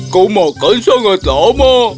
kau makan sangat lama